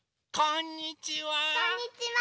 こんにちは！